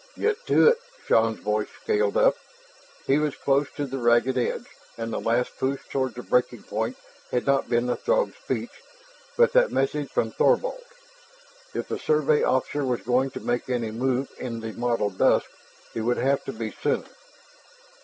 "Get to it!" Shann's voice scaled up. He was close to the ragged edge, and the last push toward the breaking point had not been the Throg speech, but that message from Thorvald. If the Survey officer was going to make any move in the mottled dusk, it would have to be soon.